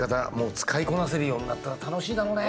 使いこなせるようになったら楽しいだろうね。